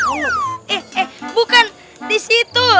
eh bukan di situ